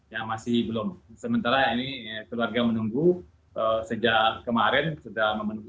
yang masih belum sementara ini keluarga menunggu sejak kemarin sudah memenuhi